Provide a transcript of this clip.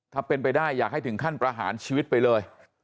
ถ้าเป็นไปได้อยากให้ถึงขั้นประหารชีวิตไปเลย